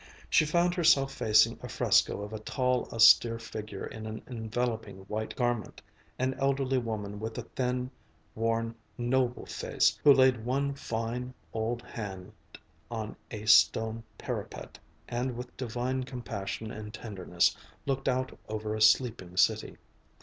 She found herself facing a fresco of a tall, austere figure in an enveloping white garment, an elderly woman with a thin, worn, noble face, who laid one fine old hand on a stone parapet and with divine compassion and tenderness looked out over a sleeping city.